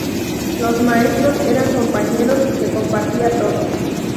Los maestros eran compañeros y se compartía todo.